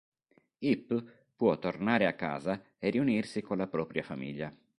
Ip può tornare a casa e riunirsi con la propria famiglia.